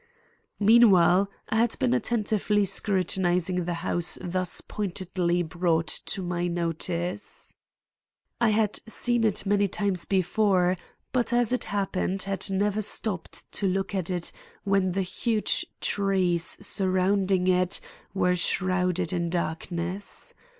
Meanwhile I had been attentively scrutinizing the house thus pointedly brought to my notice. I had seen it many times before, but, as it happened, had never stopped to look at it when the huge trees surrounding it were shrouded in darkness.